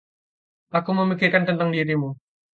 Aku memikirkan tentang dirimu.